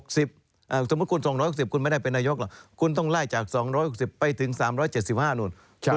สมมุติคุณส่ง๑๖๐คุณไม่ได้เป็นนายกหรอกคุณต้องไล่จาก๒๖๐ไปถึง๓๗๕นู่น